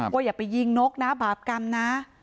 อย่าไปยิงนกนะบาปกรรมนะ